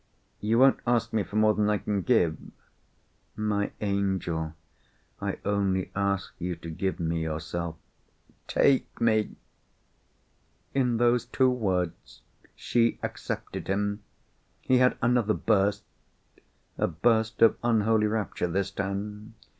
"You won't ask me for more than I can give?" "My angel! I only ask you to give me yourself." "Take me!" In those two words, she accepted him! He had another burst—a burst of unholy rapture this time.